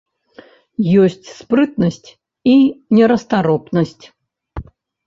Ёсць спрытнасць і нерастаропнасць.